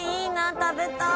食べたい。